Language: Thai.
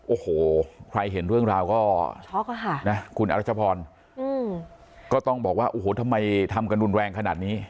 โอ้โหใครเห็นเรื่องราวก็ช็อกนะคุณอรัชพรก็ต้องบอกว่าโอ้โหทำไมทำกันรุนแรงขนาดนี้